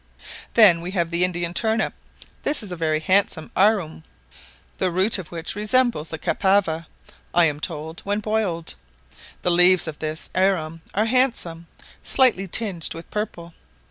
Then we have the Indian turnip; this is a very handsome arum, the root of which resembles the cassava, I am told, when boiled: the leaves of this arum are handsome, slightly tinged with purple.